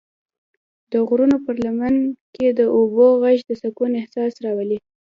د غرونو پر لمن کې د اوبو غږ د سکون احساس راولي.